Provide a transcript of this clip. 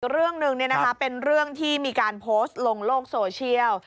เรื่องหนึ่งเป็นเรื่องที่มีการโพสต์ลงโลกโซเชียล